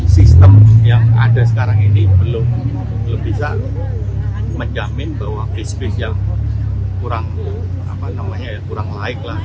sistem yang ada sekarang ini belum bisa menjamin bahwa base base yang kurang like lah